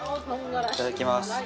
いただきます！